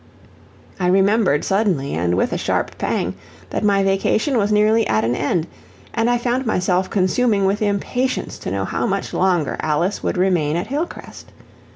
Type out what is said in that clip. I remembered suddenly, and with a sharp pang, that my vacation was nearly at an end, and I found myself consuming with impatience to know how much longer Alice would remain at Hillcrest.